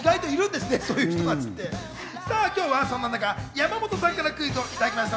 今日はそんな中、山本さんからクイズをいただきました。